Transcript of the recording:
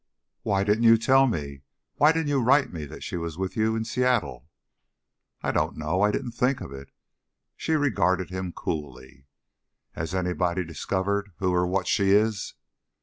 "Why didn't you tell me? Why didn't you write me that she was with you in Seattle?" "I don't know; I didn't think of it." She regarded him coolly. "Has anybody discovered who or what she is?"